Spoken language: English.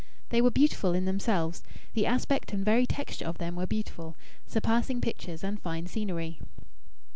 They were beautiful in themselves; the aspect and very texture of them were beautiful surpassing pictures and fine scenery.